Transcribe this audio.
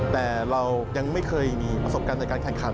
แต่เรายังไม่เคยมีประสบการณ์ในการแข่งขัน